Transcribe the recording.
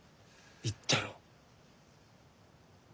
言ったろう。